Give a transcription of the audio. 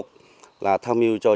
là tham hiu cho chính quyền địa phương